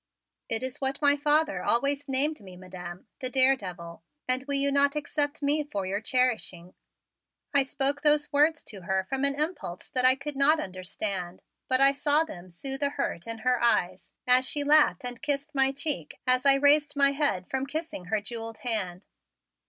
"It is what my father always named me, Madam, the 'daredevil,' and will you not accept me for your cherishing?" I spoke those words to her from an impulse that I could not understand but I saw them soothe a hurt in her eyes as she laughed and kissed my cheek as I raised my head from kissing her jeweled hand.